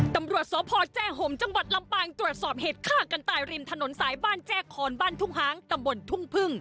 ตำรวจสพแจ้ห่มจังหวัดลำปางตรวจสอบเหตุฆ่ากันตายริมถนนสายบ้านแจ้คอนบ้านทุ่งหางตำบลทุ่งพึ่ง